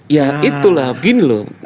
ya itulah begini loh